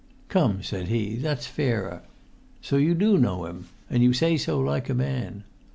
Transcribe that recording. "Come," said he, "that's fairer! So you do know him, and you say so like a man.